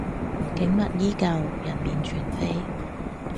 景物依舊人面全非